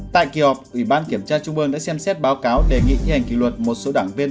tại kỳ họp ủy ban kiểm tra trung ương đã xem xét báo cáo đề nghị thi hành kỷ luật một số đảng viên